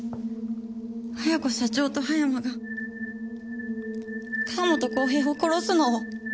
綾子社長と葉山が川本浩平を殺すのを。